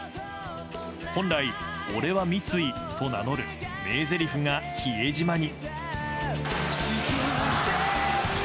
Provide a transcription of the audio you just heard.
本来、「俺は三井」と名乗る名せりふが「比江島」に。